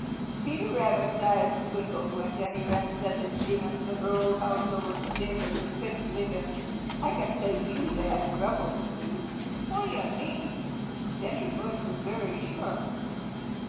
Peter Rabbit's eyes twinkled when Jenny Wren said that she must look her old house over to see if it was fit to live in. "I can save you that trouble," said he. "What do you mean?" Jenny's voice was very sharp.